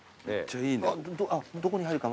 どこに入るかは。